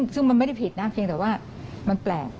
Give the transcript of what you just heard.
ซึ่งมันไม่ได้ผิดนะเพียงแต่ว่ามันแปลก